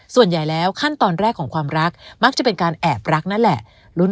ส่วนใหญ่แล้วขั้นตอนแรกของความรักมักจะเป็นการแอบรักนั่นแหละ